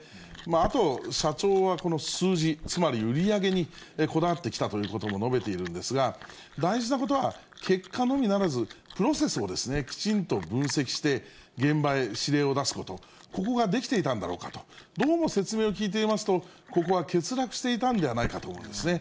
あと、社長はこの数字、つまり売り上げにこだわってきたということも述べているんですが、大事なことは、結果のみならず、プロセスをきちんと分析して、現場へ指令を出すこと、ここができていたんだろうかと、どうも説明を聞いていますと、ここは欠落していたんではないかと思うんですね。